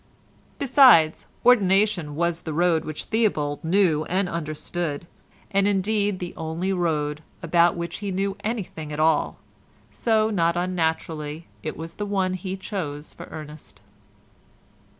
Besides, ordination was the road which Theobald knew and understood, and indeed the only road about which he knew anything at all, so not unnaturally it was the one he chose for Ernest.